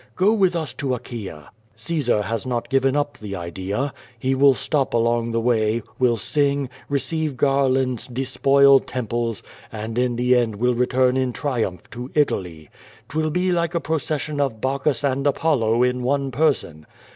Go with us to Aehaia. Caesar has not given up the idea. He will stop along the way, will sing, receive garlands, despoil temples, and in the end will return in tri umph to Italy. ^Twill be like a procession of Bacchus and Apollo in one person.